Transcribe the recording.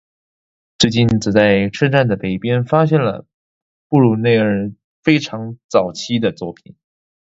最近则在车站的北边发现了布鲁内尔非常早期的作品。